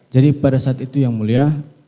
jadi pada saat itu yang mulia